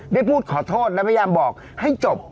ได้พูดขอโทษและพยายามบอกให้จบ